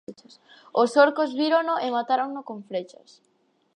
Os orcos vírono e matárono con frechas.